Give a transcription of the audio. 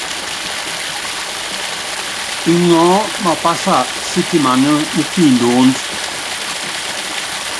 Iŋɔɔ́ mapása sítimaná mú kindoónd.